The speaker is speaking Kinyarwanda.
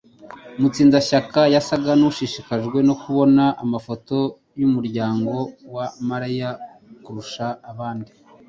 Mutsindashyaka yasaga nkushishikajwe no kubona amafoto yumuryango wa Mariya kurusha abandi.